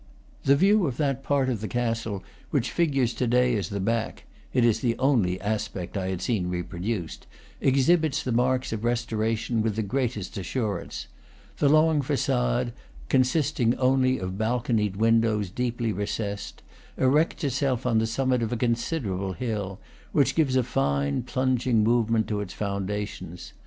The view of that part of the castle which figures to day as the back (it is the only aspect I had seen reproduced) exhibits the marks of restoration with the greatest assurance. The long facade, consisting only of balconied windows deeply recessed, erects itself on the summit of a considerable hill, which gives a fine, plunging movement to its foundations.